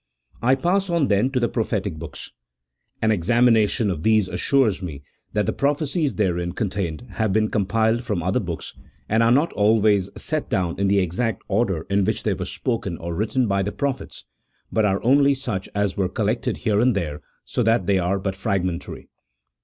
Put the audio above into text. I pass on, then, to the prophetic books. An examination of these assures me that the prophecies therein contained have been compiled from other books, and are not always set down in the exact order in which they were spoken or written by the prophets, but are only such as were collected here and there, so that they are but fragmentary.